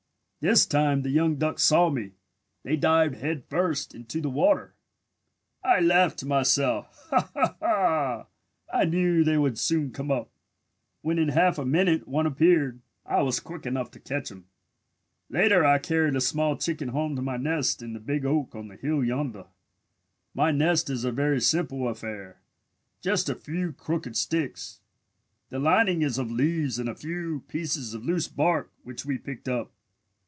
This time the young ducks saw me. They dived head first into the water. "I laughed to myself. I knew that they would soon come up. When in half a minute one appeared, I was quick enough to catch him. "Later I carried a small chicken home to my nest in the big oak on the hill yonder. My nest is a very simple affair, just a few crooked sticks. The lining is of leaves and a few pieces of loose bark which we picked up.